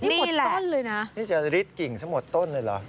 นี่แหละนี่จะริดกิ่งซะหมดต้นเลยเหรอ